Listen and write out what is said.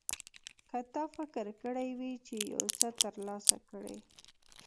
که تا فکر کړی وي چې یو څه ترلاسه کړې.